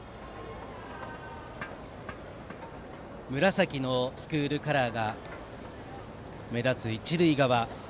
紫のスクールカラーが目立つ一塁側。